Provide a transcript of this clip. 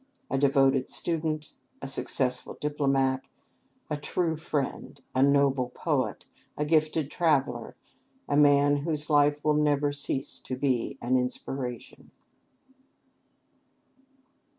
A devoted student, a successful diplomat, a true friend, a noble poet, a gifted traveller, a man whose life will never cease to be an inspiration.